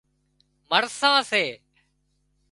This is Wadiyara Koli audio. مرسان سي